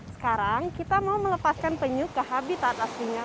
sekarang kita mau melepaskan penyu ke habitat aslinya